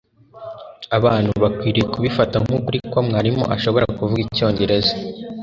abantu bakwiriye kubifata nkukuri ko mwarimu ashobora kuvuga icyongereza